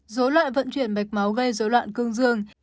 dối loạn vận chuyển mạch máu gây dối loạn cương dương